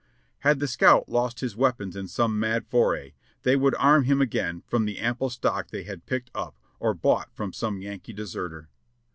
Had the scout lost his weapons in some mad foray, they would arm him again from the ample stock they had picked up or bought from some Yankee deserter.